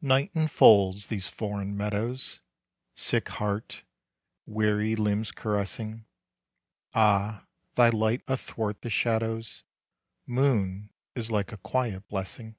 Night enfolds these foreign meadows, Sick heart, weary limbs caressing. Ah, thy light athwart the shadows, Moon, is like a quiet blessing!